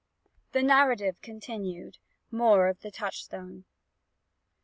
_The narrative continued. More of the touchstone.